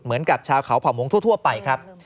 เหมือนกับชาวเขาเผ่ามงทั่วไปครับ